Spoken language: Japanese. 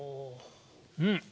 うん！